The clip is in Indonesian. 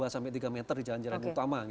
dua sampai tiga meter di jalan jalan utama